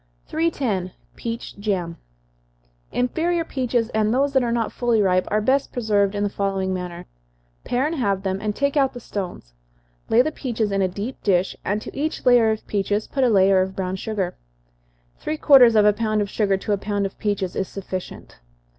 310. Peach Jam. Inferior peaches, and those that are not fully ripe, are best preserved in the following manner: Pare and halve them, and take out the stones lay the peaches in a deep dish, and to each layer of peaches put a layer of brown sugar. Three quarters of a pound of sugar to a pound of the peaches, is sufficient.